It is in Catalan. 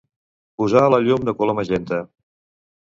Posar la llum de color magenta.